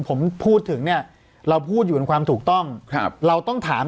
ผมพูดถึงเนี่ยเราพูดอยู่ในความถูกต้องครับเราต้องถาม